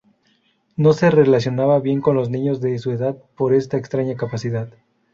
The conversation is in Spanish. No se relacionaba bien con los niños de su edad por esta extraña capacidad.